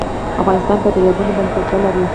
افغانستان په دریابونه باندې تکیه لري.